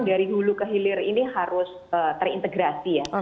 dari hulu ke hilir ini harus terintegrasi ya